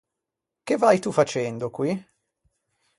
Che vai tu facendo qui?